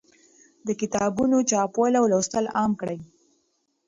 د کتابونو چاپول او لوستل عام کړئ.